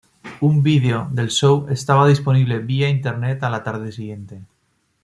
Un vídeo del show estaba disponible vía Internet a la tarde siguiente.